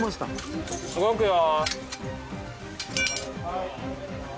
動くよ。